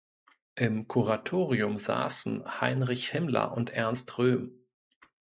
Im Kuratorium saßen Heinrich Himmler und Ernst Röhm.